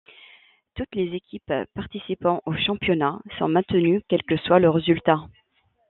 Toutes les équipes participant au championnat sont maintenues quel que soit le résultat.